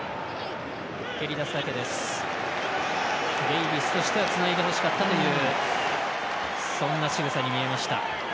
デイビスとしてはつないでほしかったというそんなしぐさに見えました。